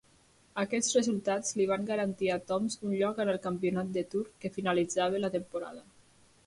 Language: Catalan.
Aquests resultats li van garantir a Toms un lloc en el Campionat de Tour que finalitzava la temporada.